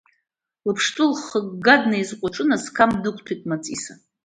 Лыԥштәы лхыгга днеизҟәыҿын, асқам днықәтәеит Маҵиса.